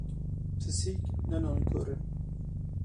Pisîk, ne nankor in!